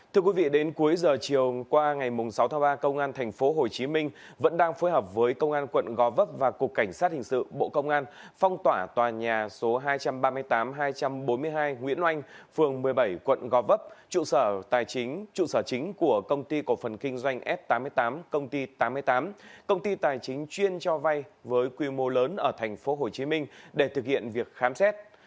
thưa quý vị đến cuối giờ chiều qua ngày sáu tháng ba công an tp hcm vẫn đang phối hợp với công an quận gò vấp và cục cảnh sát hình sự bộ công an phong tỏa tòa nhà số hai trăm ba mươi tám hai trăm bốn mươi hai nguyễn oanh phường một mươi bảy quận gò vấp trụ sở chính của công ty cổ phần kinh doanh f tám mươi tám công ty tám mươi tám công ty tài chính chuyên cho vay với quy mô lớn ở tp hcm để thực hiện việc khám xét